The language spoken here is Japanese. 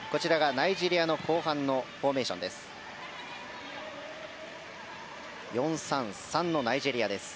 ナイジェリアの後半のフォーメーションです。